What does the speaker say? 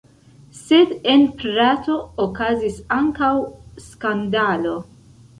Sed en Prato okazis ankaŭ skandalo.